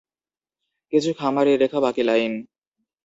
কিছু খামার এই রেখা বাকি লাইন.